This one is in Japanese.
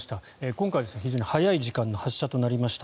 今回、非常に早い時間の発射となりました。